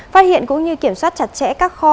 phát hiện cũng như kiểm soát chặt chẽ các kho